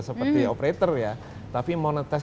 seperti operator ya tapi moneter